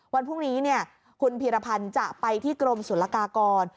วันพรุ่งนี้คุณพีรพันธ์จะไปที่กรมศุลกากร